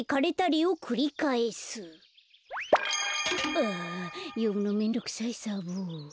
あよむのめんどくさいサボ。